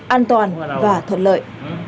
an toàn và thuận lợi